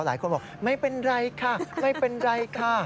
หลายคนบอกไม่เป็นไรค่ะไม่เป็นไรค่ะ